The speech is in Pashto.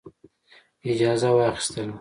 اجازه واخیستله.